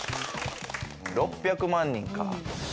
６００万人か。